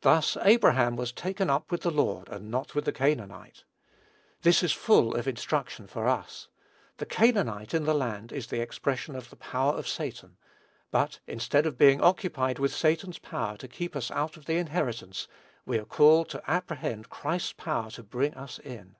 Thus Abraham was taken up with the Lord, and not with the Canaanite. This is full of instruction for us. The Canaanite in the land is the expression of the power of Satan; but, instead of being occupied with Satan's power to keep us out of the inheritance, we are called to apprehend Christ's power to bring us in.